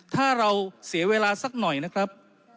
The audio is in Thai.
ถ้าเราเสียเวลาสักหน่อยนะครับ